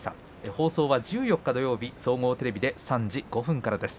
放送は１４日土曜日総合テレビ３時５分からです。